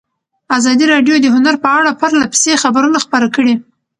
ازادي راډیو د هنر په اړه پرله پسې خبرونه خپاره کړي.